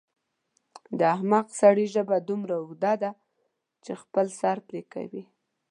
د احمق سړي ژبه دومره اوږده ده چې خپل سر پرې کوي.